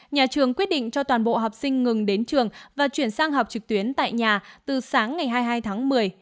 nhà trường quyết định cho toàn bộ học sinh ngừng đến trường và chuyển sang học trực tuyến tại nhà từ sáng ngày hai mươi hai tháng một mươi